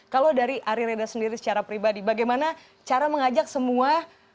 kalau dari ari reda sendiri secara pribadi bagaimana cara mengajak semua